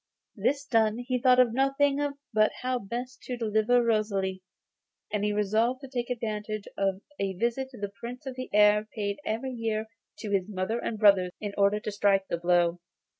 This done, he thought of nothing but how best to deliver Rosalie, and he resolved to take advantage of a visit which the Prince of the Air paid every year to his mother and brothers in order to strike the blow.